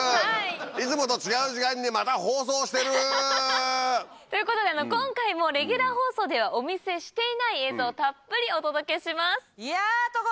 いつもと違う時間にまた放送してる！ということで今回もレギュラー放送ではお見せしていない映像をたっぷりお届けします。